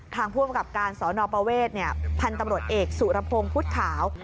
ผู้อำกับการสนประเวทพันธุ์ตำรวจเอกสุรพงศ์พุทธขาว